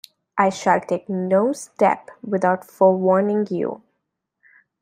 I shall take no step without forewarning you.